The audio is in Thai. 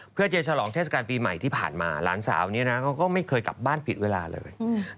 เพื่อจะฉลองเทศกาลปีใหม่ที่ผ่านมาหลานสาวนี้นะเขาก็ไม่เคยกลับบ้านผิดเวลาเลย